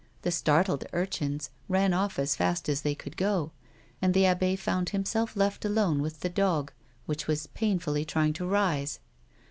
The startled urchins ran ofi" as fast as they could go, and the abbe found himself left alone with the dog, which was painfully trying to rise.